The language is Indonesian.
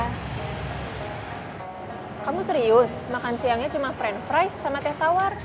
teh tawa iya iya kamu serius makan siangnya cuma french fries sama teh tawa